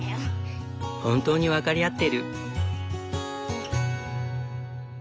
本当に分かり合ってる。